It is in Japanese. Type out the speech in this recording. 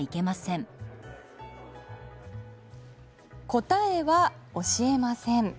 答えは教えません。